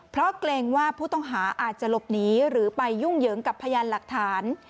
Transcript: เพราะเกรงว่าผู้ต้องหาอาจจะหลบหนีหรือไปยุ่งเหยิงกับพยานหลักฐาน